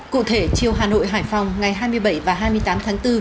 cụ thể chiều hà nội hải phòng ngày hai mươi bảy và hai mươi tám tháng bốn